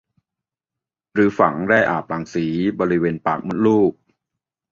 หรือฝังแร่อาบรังสีบริเวณปากมดลูก